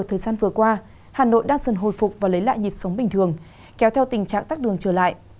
thời gian vừa qua hà nội đang dần hồi phục và lấy lại nhịp sống bình thường kéo theo tình trạng tắt đường trở lại